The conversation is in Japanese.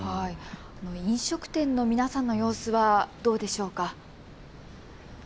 飲食店の皆さんの様子はどうでしょうか。